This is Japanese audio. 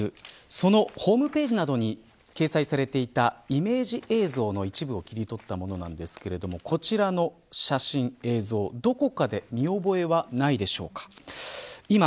大阪ＩＲそのホームページなどに掲載されていたイメージ映像の一部を切り取ったものなんですけれどもこちらの写真、映像どこかで見覚えはないでしょうか。